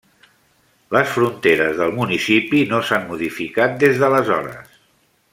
Les fronteres del municipi no s'han modificat des d'aleshores.